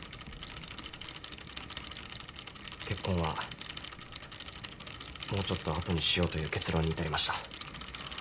結婚はもうちょっと後にしようという結論に至りました。